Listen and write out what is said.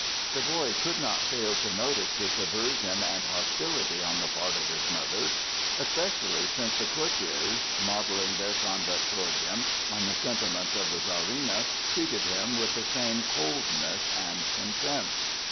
The boy could not fail to notice this aversion and hostility on the part of his mother, especially since the courtiers, modelling their conduct toward him on the sentiments of the Czarina, treated him with the same coldness and contempt.